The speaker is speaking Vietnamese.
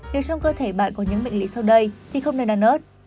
nếu trong cơ thể bạn có những bệnh lý sau đây thì không nên đàn ớt